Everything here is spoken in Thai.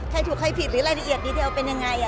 ค่ายถูกค่ายผิดหรือรายละเอียดรีเทลเป็นยังไงอ่ะนะคะ